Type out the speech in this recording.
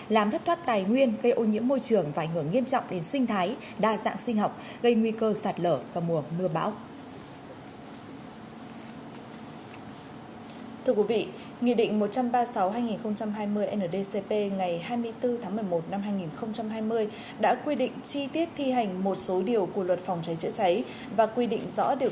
làm thất thoát tài nguyên gây ô nhiễm môi trường và ảnh hưởng nghiêm trọng đến sinh thái đa dạng sinh học gây nguy cơ sạt lở và mùa mưa bão